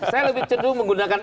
saya lebih ceduh menggunakan